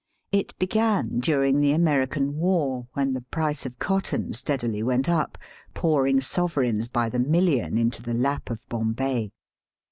It began during the American "War, when the price of cotton steadily went up, pouring sovereigns by the million into the lap of Bombay.